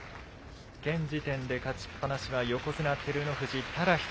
現時点で勝ちっ放しは横綱・照ノ富士ただ一人。